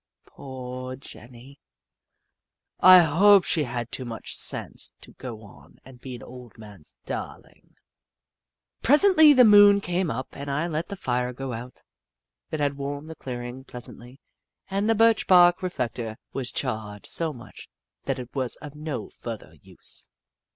Poor Jenny ! I hope she had too much sense to go and be an old man's darling. Presently the moon came up and I let the fire go out. It had warmed the clearing pleas antly, and the birch bark reflector was charred so much that it was of no further use.